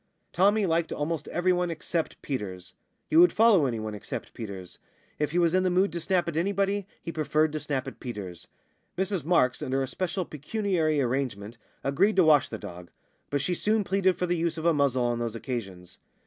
Tommy liked almost everyone except Peters. He would follow anyone except Peters. If he was in the mood to snap at anybody, he preferred to snap at Peters. Mrs Marks (under a special pecuniary arrangement) agreed to wash the dog. But she soon pleaded for the use of a muzzle on those occasions.